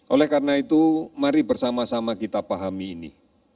oleh karena itu mari bersama sama kita pahami ini